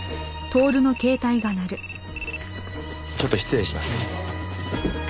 ちょっと失礼します。